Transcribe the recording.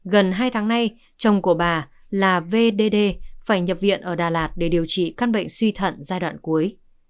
gần hai tháng nay chồng của bà là v d d phải nhập viện ở đà lạt để điều trị các bệnh suy thận giai đoạn cuối